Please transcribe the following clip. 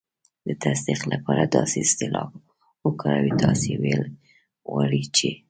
د تصدیق لپاره داسې اصطلاح وکاروئ: "تاسې ویل غواړئ چې..."